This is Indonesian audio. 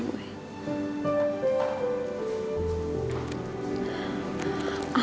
apa keputusan lo